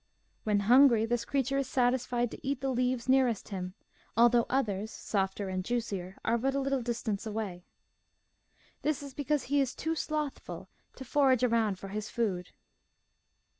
When hungry this creature is satisfied to eat the leaves nearest him, although others, softer and juicier, are but a little distance away. This is because he is too slothful to forage around for his food.